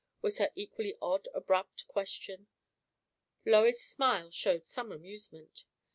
was her equally odd abrupt question. Lois's smile showed some amusement.